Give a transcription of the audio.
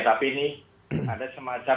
tapi ini ada semacam